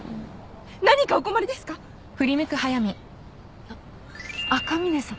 ・何かお困りですか！？あっ赤嶺さん。